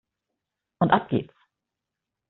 Und ab geht's!